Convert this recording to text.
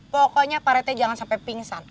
pokoknya pak rete jangan sampai pingsan